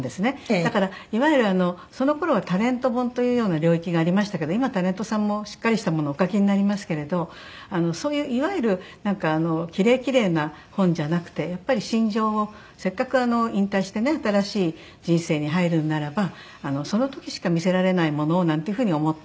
だからいわゆるその頃はタレント本というような領域がありましたけど今タレントさんもしっかりしたものをお書きになりますけれどそういういわゆるなんかキレイキレイな本じゃなくてやっぱり心情をせっかく引退してね新しい人生に入るのならばその時しか見せられないものをなんていう風に思って。